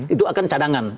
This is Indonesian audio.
itu akan cadangan